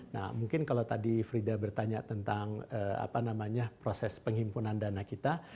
nah mungkin kalau tadi frida bertanya tentang proses penghimpunan dana kita